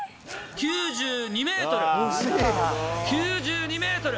９２メートル、９２メートル。